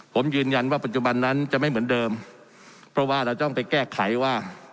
ผมยืนยันว่าปัจจุบันนั้นจะไม่เหมือนเดิมเพราะว่าเราต้องไปแก้ไขว่า